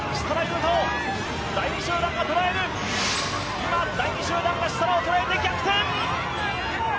今、第２集団が設楽を捉えて逆転。